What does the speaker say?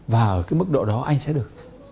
và ở mức độ đó anh sẽ được